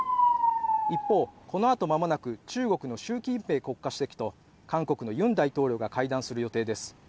一方、この後、間もなく中国の習近平国家主席と韓国のユン大統領が会談する予定です。